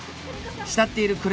慕っている久連